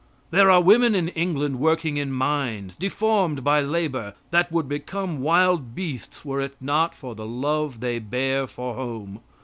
There are women in England working in mines, deformed by labor, that would become wild beasts were it not for the love they bear for home.